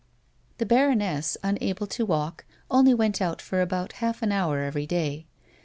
The baroness, unable to walk, only went out for about half an hour every day.